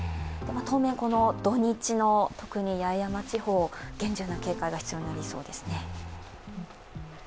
当面、土日の特に八重山地方、厳重な警戒が必要になりそうですね。